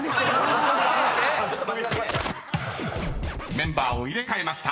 ［メンバーを入れ替えました］